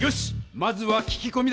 まずは聞きこみだ！